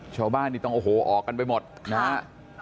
ชาวบ้านนี่ต้องโอ้โหออกกันไปหมดนะฮะ